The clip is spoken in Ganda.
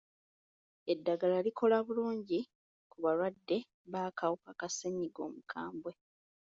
Eddagala likola bulungi ku balwadde b'akawuka ka ssenyiga omukambwe?